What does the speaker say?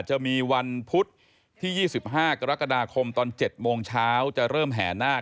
จะมีวันพุธที่๒๕กรกฎาคมตอน๗โมงเช้า